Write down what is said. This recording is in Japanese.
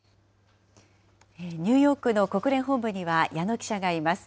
ニューヨークの国連本部には矢野記者がいます。